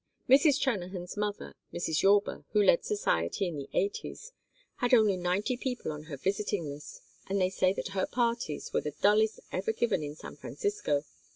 Mrs. Trennahan's mother, Mrs. Yorba, who led society in the Eighties, had only ninety people on her visiting list, and they say that her parties were the dullest ever given in San Francisco.